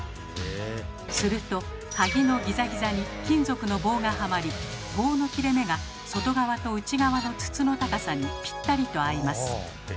すると鍵のギザギザに金属の棒がはまり棒の切れ目が外側と内側の筒の高さにぴったりと合います。